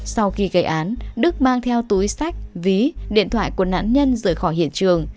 sau khi gây án đức mang theo túi sách ví điện thoại của nạn nhân rời khỏi hiện trường